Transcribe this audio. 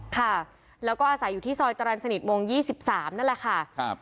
อ๋อค่ะแล้วก็อาศัยอยู่ที่ซอยจรรย์สนิทมงค์ยี่สิบสามนั่นแหละค่ะครับ